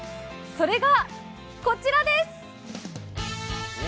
それがこちらです。